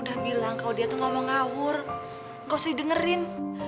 jangan denger omongan orang lain